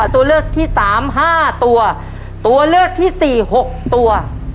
ตัวเลือกที่สามห้าตัวตัวเลือกที่สี่หกตัว